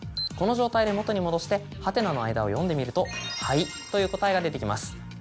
この状態で元に戻してハテナの間を読んでみると。という答えが出てきます。